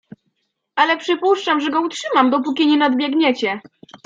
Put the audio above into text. "Ale przypuszczam, że go utrzymam, dopóki nie nadbiegniecie."